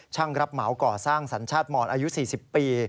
รับเหมาก่อสร้างสัญชาติหมอนอายุ๔๐ปี